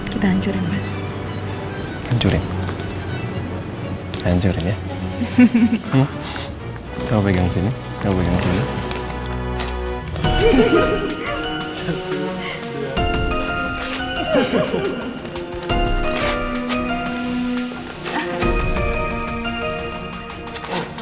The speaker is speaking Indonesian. kita hancurin mas